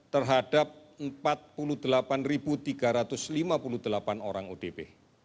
terhadap empat puluh delapan tiga ratus lima puluh delapan orang odp